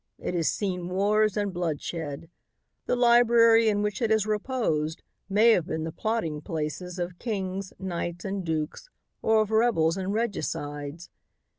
It has seen wars and bloodshed. The library in which it has reposed may have been the plotting place of kings, knights and dukes or of rebels and regicides.